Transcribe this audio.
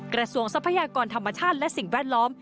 ทรัพยากรธรรมชาติและสิ่งแวดล้อม